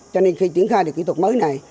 cho nên khi triển khai được kỹ thuật mới này